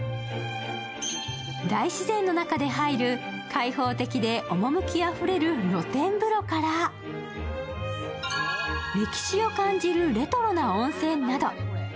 大自然の中で入る開放的で趣あふれる露天風呂から歴史を感じるレトロな温泉など。